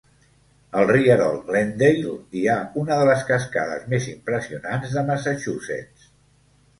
Al rierol Glendale hi ha una des les cascades més impressionants de Massachusetts.